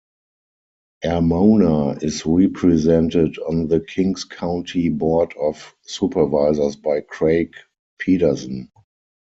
Armona is represented on the Kings County Board of Supervisors by Craig Pedersen.